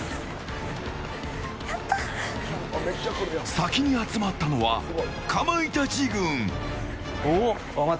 先に集まったのはかまいたち軍。